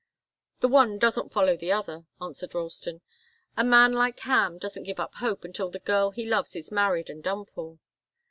"The one doesn't follow the other," answered Ralston. "A man like Ham doesn't give up hope until the girl he loves is married and done for."